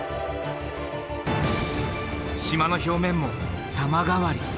島の表面も様変わり。